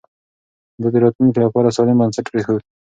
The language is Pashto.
ده د راتلونکي لپاره سالم بنسټ پرېښود.